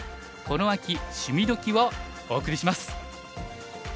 この秋『趣味どきっ！』」をお送りします。